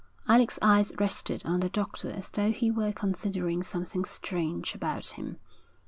Alec's eyes rested on the doctor as though he were considering something strange about him.